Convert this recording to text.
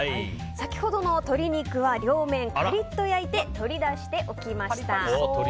先ほどの鶏肉は両面カリッと焼いて取り出しておきました。